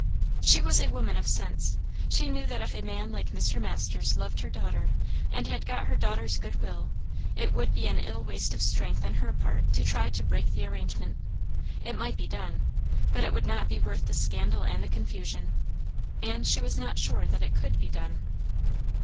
She was a woman of sense; she knew that if a man like Mr. Masters loved her daughter, and had got her daughter's good will, it would be an ill waste of strength on her part to try to break the arrangement. It might be done; but it would not be worth the scandal and the confusion. And she was not sure that it could be done.